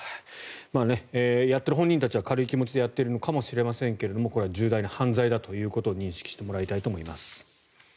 やっている本人たちは軽い気持ちでやっているのかもしれませんがこれは重大な犯罪だということを認識してもらいたいと思います。